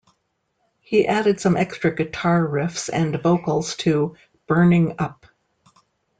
He added some extra guitar riffs and vocals to "Burning Up".